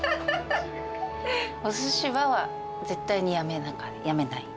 おすしは絶対にやめない。